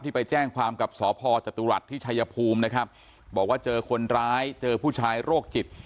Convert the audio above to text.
ไปแจ้งความกับสพจตุรัสที่ชายภูมินะครับบอกว่าเจอคนร้ายเจอผู้ชายโรคจิต